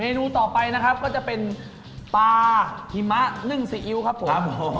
นูต่อไปนะครับก็จะเป็นปลาหิมะนึ่งซีอิ๊วครับผม